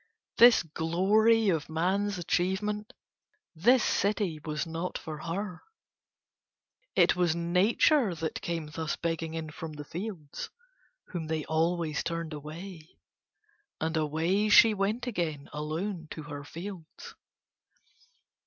This glory of Man's achievement, this city was not for her. It was Nature that came thus begging in from the fields, whom they always turned away. And away she went again alone to her fields.